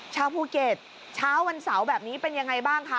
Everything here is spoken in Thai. ชาวภูเก็ตเช้าวันเสาร์แบบนี้เป็นยังไงบ้างคะ